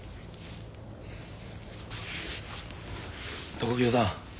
床清さん